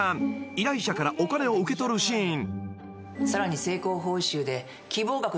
［依頼者からお金を受け取るシーン］